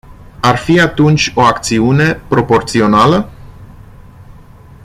Ar fi atunci o acțiune proporțională?